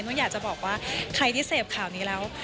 อยากจะบอกว่าใครที่เสพข่าวนี้แล้ว